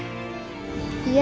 kau juga berdua